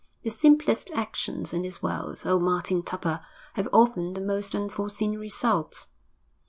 The simplest actions in this world, oh Martin Tupper! have often the most unforeseen results.